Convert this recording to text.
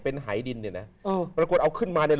หายดินเนี่ยนะเออปรากฏเอาขึ้นมาเนี่ย